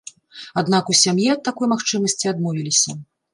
Аднак у сям'і ад такой магчымасці адмовіліся.